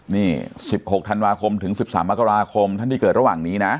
นี่สิบหกธันวาคมถึงสิบสามอาคาราคมท่านที่เกิดระหว่างนี้นะ